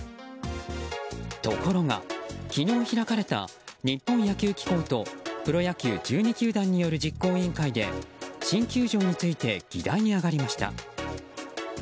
ところが昨日開かれた日本野球機構とプロ野球１２球団による実行委員会で新球場について議題に上がりました。